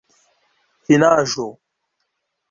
finaĵo